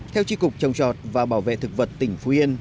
theo tri cục trồng trọt và bảo vệ thực vật tỉnh phú yên